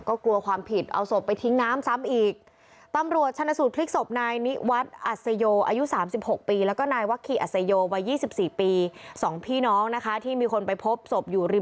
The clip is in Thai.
ก็กลัวความผิดเอาศพไปทิ้งน้ำซ้ำอีกตำรวจชนสูตรพลิกศพนายนิ